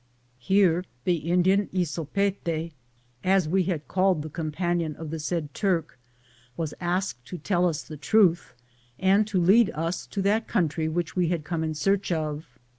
Here the Indian Isopete, as we had called the com panion of the said Turk, was asked to tell us the truth, and to lead us to that country which we had come in search of.